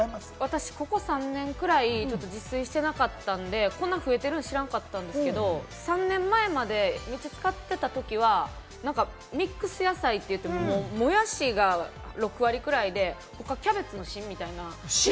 ここ３年くらい自炊してなかったんで、こんな増えてるの知らなかったんですけれども、３年前までめっちゃ使ってたときは、ミックス野菜って言ってモヤシが６割ぐらいで、他キャベツの芯みたいな。